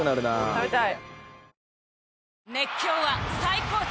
食べたい。